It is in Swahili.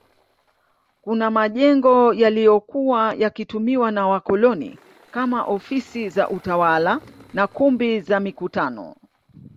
Kuna majengo yaliyokuwa yakitumiwa na wakoloni kama ofisi za utawala na kumbi za mikutano